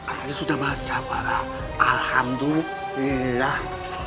akhirnya sudah baca para alhamdulillah